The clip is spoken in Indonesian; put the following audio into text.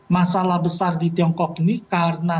masalah besar di tiongkok ini karena